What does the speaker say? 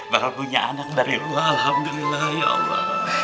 bakal punya anak dari lo alhamdulillah ya allah